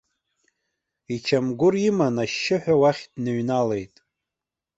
Ичамгәыр иман ашьшьыҳәа уахь дныҩналеит.